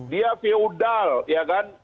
dia feudal ya kan